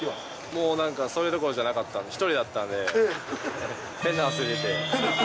もうなんか、それどころじゃなかった、１人だったんで、変な汗出て。